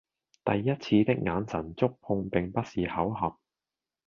第一次的眼神觸碰並不是巧合